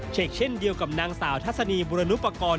เช่นเดียวกับนางสาวทัศนีบุรณุปกรณ์